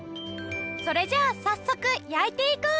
それじゃあ早速焼いていこう！